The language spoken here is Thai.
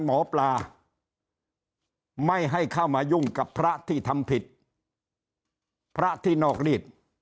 หมอปลาไม่ให้เข้ามายุ่งกับพระที่ทำผิดพระที่นอกรีด